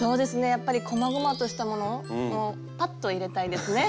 やっぱりこまごまとしたものをパッと入れたいですね。